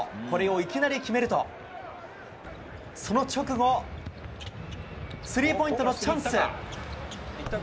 これを、いきなり決めるとその直後スリーポイントのチャンス。